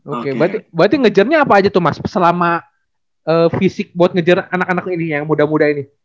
oke berarti ngejarnya apa aja tuh mas selama fisik buat ngejar anak anak ini yang muda muda ini